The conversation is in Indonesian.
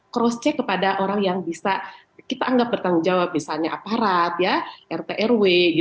cross check kepada orang yang bisa kita anggap bertanggung jawab misalnya aparat rt rw